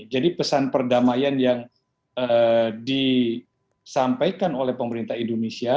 jadi pesan perdamaian yang disampaikan oleh pemerintah indonesia